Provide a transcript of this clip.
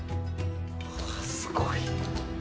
わあすごい。